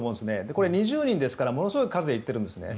これ、２０人ですからものすごい数で行っているんですね。